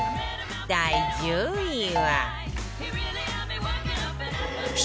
第１０位は